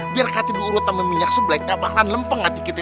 biar katanya gue urut sama minyak sebelah enggak bakalan lempeng hati kita